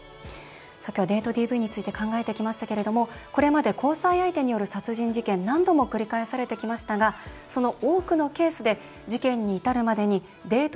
今日は、デートＤＶについて考えてきましたけれどもこれまで交際相手による殺人事件何度も繰り返されてきましたがその多くのケースで事件に至るまでにデート